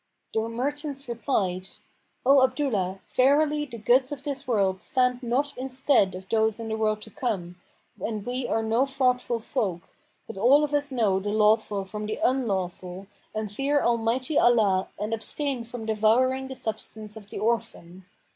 [FN#491]' The merchants replied, 'O Abdullah, verily the goods of this world stand not in stead of those of the world to come, and we are no fraudful folk, but all of us know the lawful from the unlawful and fear Almighty Allah and abstain from devouring the substance of the orphan.